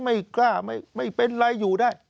ไม่กล้าไม่เป็นไรอยู่ได้